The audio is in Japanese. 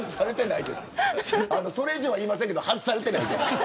それ以上は言いませんが外されてない。